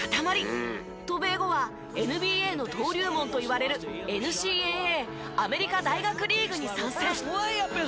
渡米後はＮＢＡの登竜門といわれるＮＣＡＡアメリカ大学リーグに参戦。